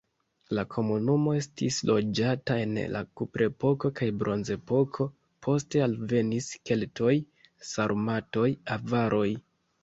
La komunumo estis loĝata en la kuprepoko kaj bronzepoko, poste alvenis keltoj, sarmatoj, avaroj.